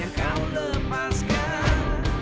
yang kau lepaskan